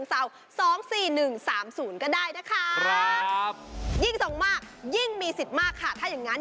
งั้นทีมงานมาโกยกันเลย